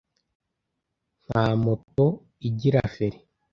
Nta moto igira feri